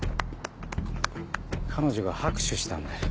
彼女が拍手したんだよ。